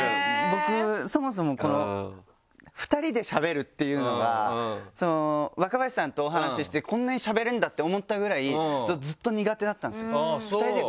僕そもそも２人でしゃべるっていうのが若林さんとお話ししてこんなにしゃべれるんだって思ったぐらい。